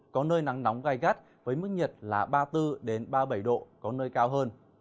có nơi nắng nóng gai gắt với mức nhiệt là ba mươi bốn ba mươi bảy độ có nơi cao hơn